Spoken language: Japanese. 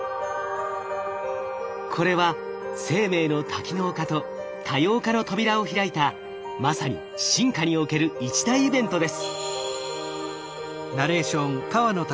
これは生命の多機能化と多様化の扉を開いたまさに進化における一大イベントです。